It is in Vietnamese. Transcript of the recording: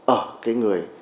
ở cái người